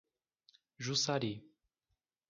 Jussari